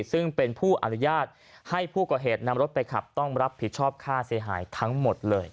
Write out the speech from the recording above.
ซึ่งเป็นผู้อนุญาตให้ผู้ก่อเหตุนำรถไปขับต้องรับผิดชอบค่าเสียหายทั้งหมดเลย